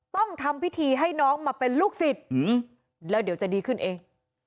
ต้องทำพิธีให้น้องมาเป็นลูกศิษย์แล้วเดี๋ยวจะดีขึ้นเอง